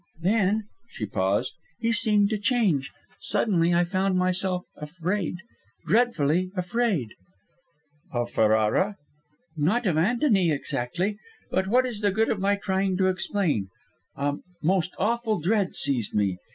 "Then " she paused "he seemed to change. Suddenly, I found myself afraid dreadfully afraid " "Of Ferrara?" "Not of Antony, exactly. But what is the good of my trying to explain! A most awful dread seized me.